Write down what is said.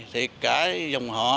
thì cả dòng họ